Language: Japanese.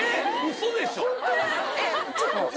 嘘でしょ？